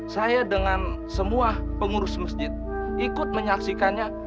saya dengan semua pengurus masjid ikut menyaksikannya